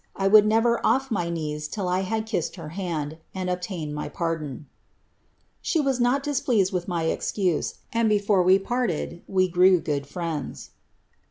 I u otiM never on my Kneea till I \vi>\ ki! ^e<l lier hand.'an, laired my pardon.' She was not displeased with my excuse, before we parted we grew good friends."